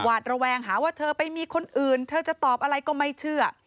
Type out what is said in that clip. ระแวงหาว่าเธอไปมีคนอื่นเธอจะตอบอะไรก็ไม่เชื่อ